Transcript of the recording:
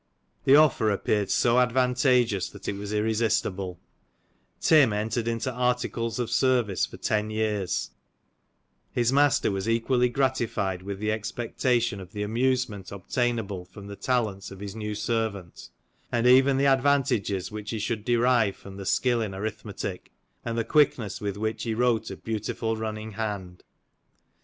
The offer appeared so advantageous that it was irresistible ; Tim entered into articles of service for ten years ; his master was equally gratified with the expectation of the amusement obtainable from the talents of his new servant, and even the advantages which he should derive from the skill in arithmetic, and the quickness with which he wrote a beautiful running hand.